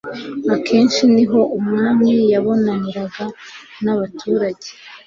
akenshi ni ho umwami yabonaniraga n'abaturage